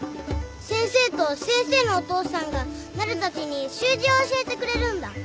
先生と先生のお父さんがなるたちに習字を教えてくれるんだ。